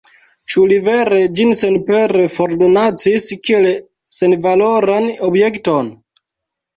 Ĉu li vere ĝin senpere fordonacis, kiel senvaloran objekton?